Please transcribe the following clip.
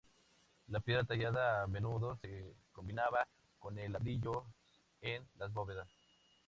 La piedra tallada a menudo se combinaba con el ladrillos en las bóvedas.